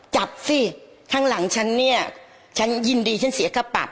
จับสิข้างหลังฉันเนี่ยฉันยินดีฉันเสียค่าปรับ